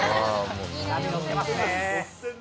乗ってますね。